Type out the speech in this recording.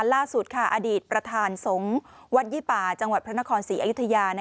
ล่าสุดอดีตประธานสงฆ์วัดยี่ป่าจังหวัดพระนครศรีอยุธยา